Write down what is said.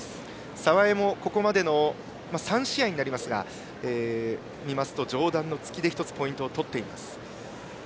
澤江もここまでの３試合を見ると上段の突きで１つポイントを取っています。